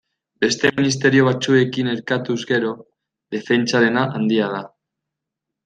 Beste ministerio batzuekin erkatuz gero, defentsarena handia da.